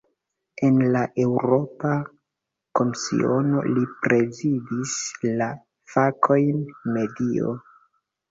En la Eŭropa Komisiono, li prezidis la fakojn "medio".